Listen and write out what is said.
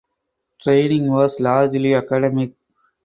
Training was largely academic.